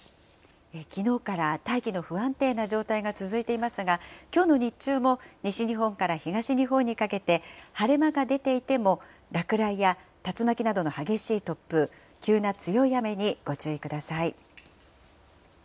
きのうから大気の不安定な状態が続いていますが、きょうの日中も、西日本から東日本にかけて、晴れ間が出ていても、落雷や竜巻などの激しい突風、急な強い雨にご注意ください。